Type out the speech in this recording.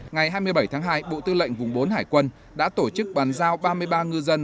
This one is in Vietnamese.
ngày hai mươi bảy tháng hai bộ tư lệnh vùng bốn hải quân đã tổ chức bàn giao ba mươi ba ngư dân